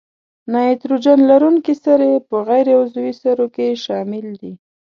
نایتروجن لرونکي سرې په غیر عضوي سرو کې شامل دي.